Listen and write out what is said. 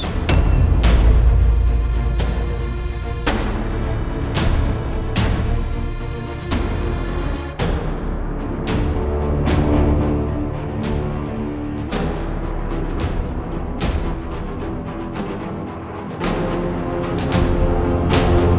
ya baik pak